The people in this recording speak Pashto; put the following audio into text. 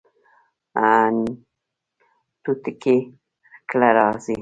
توتکۍ کله راځي؟